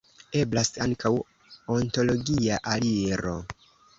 Eblas ankaŭ ontologia aliro.